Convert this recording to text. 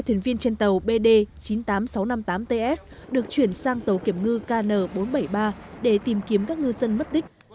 thuyền viên trên tàu bd chín mươi tám nghìn sáu trăm năm mươi tám ts được chuyển sang tàu kiểm ngư kn bốn trăm bảy mươi ba để tìm kiếm các ngư dân mất tích